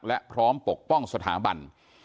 และพร้อมปกป้องสถาบัน